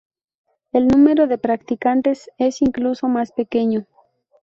El número de practicantes es incluso más pequeño.